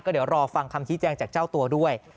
เดี๋ยวรอฟังคำชี้แจงจากเจ้าตัวด้วย